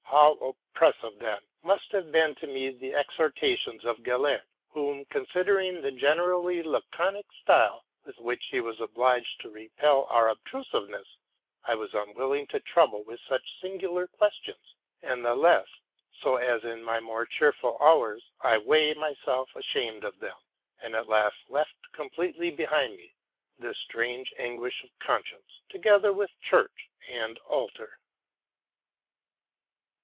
How oppressive, then, must have been to me the exhortations of Gellert, whom, considering the generally laconic style with which he was obliged to repel our obtru siveness, I was unwilling to trouble with such singular ques tions, and the less so as in my more cheerful hours I was myself ashamed of them, and at last left completely behind me this strange anguish of conscience, together with chureh and altar.